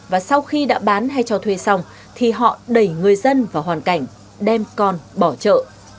và sau khi đã bán hay cho thuê xong thì họ đẩy người dân vào hoàn cảnh đem con bỏ chợ